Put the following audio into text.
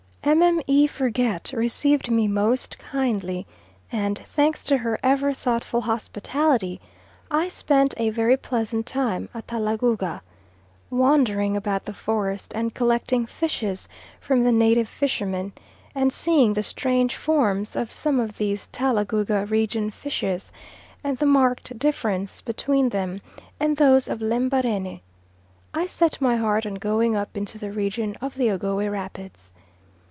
Mme. Forget received me most kindly, and, thanks to her ever thoughtful hospitality, I spent a very pleasant time at Talagouga, wandering about the forest and collecting fishes from the native fishermen: and seeing the strange forms of some of these Talagouga region fishes and the marked difference between them and those of Lembarene, I set my heart on going up into the region of the Ogowe rapids.